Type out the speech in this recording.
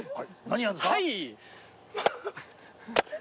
はい！